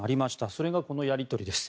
それがこのやり取りです。